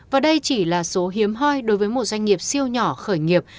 và đây chỉ là số hiếm hoi đối với một doanh nghiệp siêu nhỏ khởi nghiệp